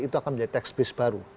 itu akan menjadi tax base baru